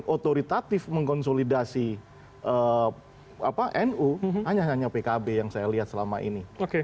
otoritatif mengkonsolidasi nu hanya hanya pkb yang saya lihat selama ini